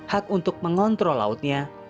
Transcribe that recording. hak untuk mengontrol lautnya